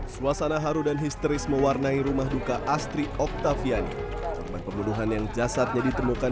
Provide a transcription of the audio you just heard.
suasana haru dan histeris mewarnai rumah duka astri octaviani perbuduhan yang jasadnya ditemukan